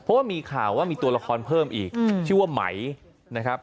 เพราะว่ามีข่าวว่ามีตัวละครเพิ่มอีกชื่อว่าไหมนะครับ